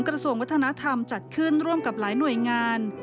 กระทรวงวัฒนธรรมจัดขึ้นร่วมกับหลายหน่วยงาน